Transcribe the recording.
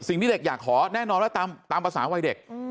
สิ่งที่เด็กอยากขอแน่นอนว่าตามภาษาวัยเด็ก